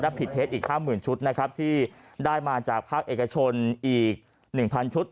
และผิดเทสอีก๕๐๐๐๐ชุดที่ได้มาจากภาคเอกชนอีก๑๐๐๐ชุด